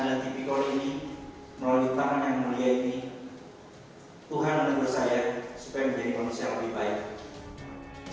tuhan menegur saya supaya menjadi manusia yang lebih baik